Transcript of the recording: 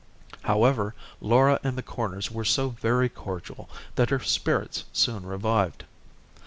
However, Laura and the Corners were so very cordial that her spirits soon revived.